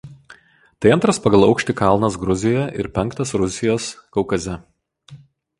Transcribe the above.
Tai antras pagal aukštį kalnas Gruzijoje ir penktas Rusijos Kaukaze.